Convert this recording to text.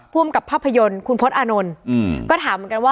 ภูมิกับภาพยนตร์คุณพศอานนท์